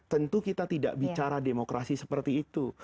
tentu kita tidak bicara demokrasi seperti itu